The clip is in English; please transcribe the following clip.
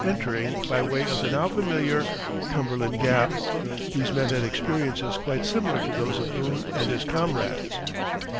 Entering by way of the now familiar Cumberland Gap, these men had experiences quite similar to those of Boone and his comrades.